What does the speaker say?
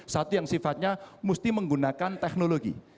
satu yang sifatnya mesti menggunakan teknologi